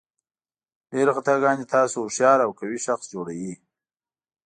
ډېرې خطاګانې تاسو هوښیار او قوي شخص جوړوي.